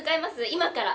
今から。